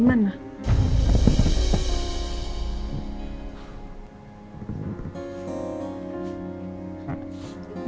iyaa menurut kapa sih